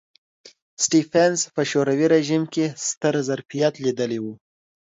سټېفنس په شوروي رژیم کې ستر ظرفیت لیدلی و